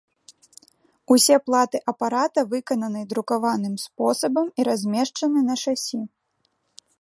Усе платы апарата выкананы друкаваным спосабам і размешчаны на шасі.